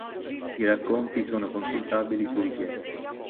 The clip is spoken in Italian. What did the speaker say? I racconti sono consultabili su richiesta.